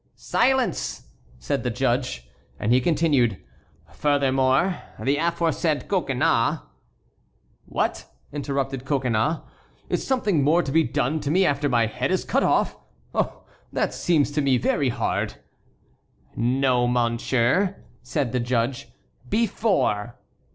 "Silence!" said the judge; and he continued: "Furthermore, the aforesaid Coconnas"— "What!" interrupted Coconnas, "is something more to be done to me after my head is cut off? Oh! that seems to me very hard!" "No, monsieur," said the judge, "before."